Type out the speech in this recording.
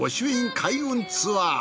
開運ツアー。